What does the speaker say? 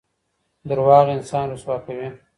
درواغ انسان رسوا کوي.